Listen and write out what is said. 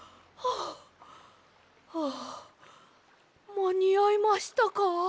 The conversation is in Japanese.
まにあいましたか？